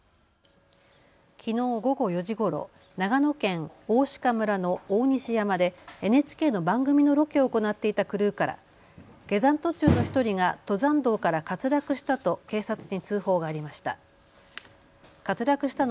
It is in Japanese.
きのう午後４時ごろ長野県大鹿村の大西山でＮＨＫの番組のロケを行っていたクルーから下山途中の１人が登山道から滑落したと警察に通報がありました。